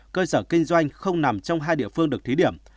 cơ sở kinh doanh không nằm trong hai địa phương được thí điểm